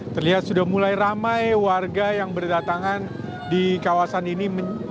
terlihat sudah mulai ramai warga yang berdatangan di kawasan ini